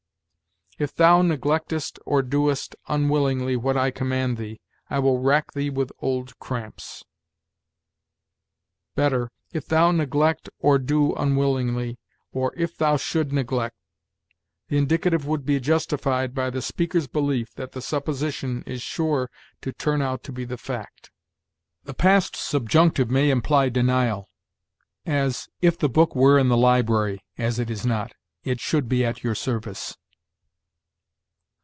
'If thou neglectest or doest unwillingly what I command thee, I will rack thee with old cramps'; better, 'if thou neglect or do unwillingly,' or 'if thou should neglect.' The indicative would be justified by the speaker's belief that the supposition is sure to turn out to be the fact. "The past subjunctive may imply denial; as, 'if the book were in the library (as it is not), it should be at your service.'